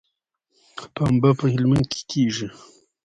پنبه په هلمند کې کیږي